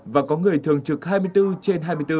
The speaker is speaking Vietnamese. và có người thường trực hai mươi bốn trên hai mươi bốn